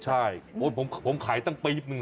ใช่ผมขายตั้งปี๊บนึง